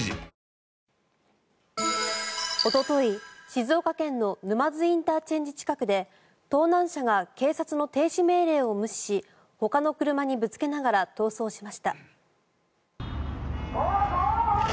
静岡県の沼津ＩＣ近くで盗難車が警察の停止命令を無視しほかの車にぶつけながら逃走しました。